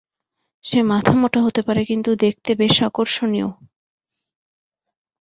সে মাথামোটা হতে পারে, কিন্তু দেখতে বেশ আকর্ষণীয়!